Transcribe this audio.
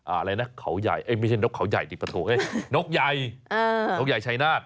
อะไรนะเขาใหญ่ไม่ใช่นกเขาใหญ่นกใหญ่นกใหญ่ชัยนาฏ